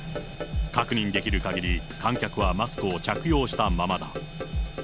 確認できるかぎり、観客はマスクを着用したままだ。